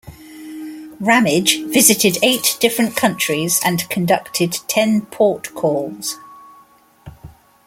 "Ramage" visited eight different countries and conducted ten port calls.